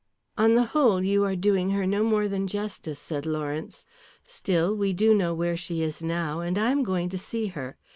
"On the whole you are doing her no more than justice," said Lawrence. "Still, we do know where she is now, and I am going to see her.